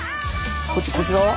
こちらは？